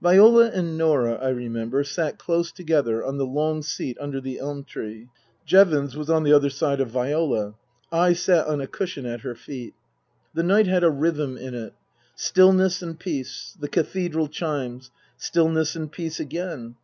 Viola and Norah, I remember, sat close together on the long seat under the elm tree. Jevons was on the other side of Viola. I sat on a cushion at her feet. The night had a rhythm in it. Stillness and peace. The Cathedral chimes. Stillness and peace again.